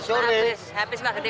sudah padat ya